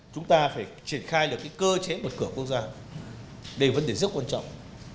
chúng ta phải triển khai được cái cơ chế một cửa quốc gia đây là vấn đề rất quan trọng